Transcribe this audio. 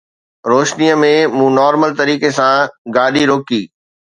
روشنيءَ ۾ مون نارمل طريقي سان گاڏي روڪي